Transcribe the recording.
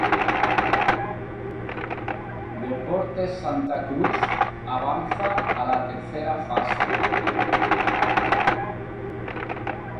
Deportes Santa Cruz avanza a la tercera fase.